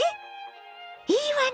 いいわね